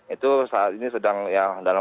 itu saat ini sedang ya dalam